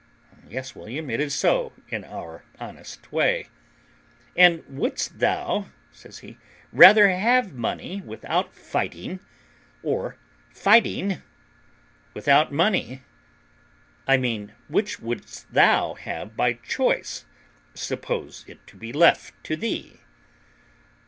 "Yes, William, it is so, in our honest way." "And wouldest thou," says he, "rather have money without fighting, or fighting without money? I mean which wouldest thou have by choice, suppose it to be left to thee?"